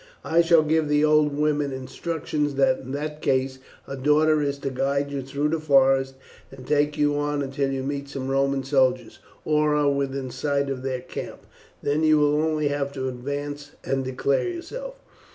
I shall give the old woman instructions that in that case her daughter is to guide you through the forest and take you on until you meet some Roman soldiers, or are within sight of their camp, then you will only have to advance and declare yourself."